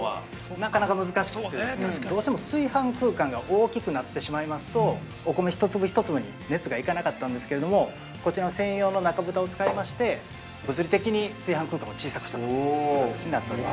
◆なかなか難しくてどうしても炊飯空間が大きくなってしまいますとお米、一粒一粒に熱が行かなかったんですけれどもこちらの専用の中ぶたを使いまして物理的に炊飯空間を小さくしたという形になっております。